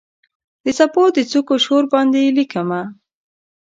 د څپو د څوکو شور باندې لیکمه